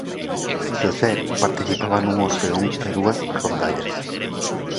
Xosé participaba nun orfeón e dúas rondallas.